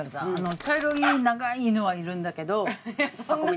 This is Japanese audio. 茶色い長い犬はいるんだけど。